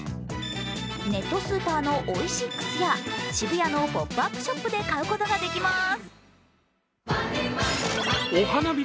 ネットスーパーのオイシックスや渋谷のポップアップショップで買うことができます。